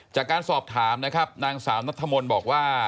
จากการสอบถามนะครับนางสาวนัทธมนต์บอกว่า